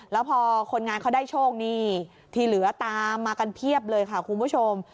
แล้วพอคนงานเขาได้โชคนี่ที่เหลือตามมากันเพียบเลยค่ะคุณผู้ชม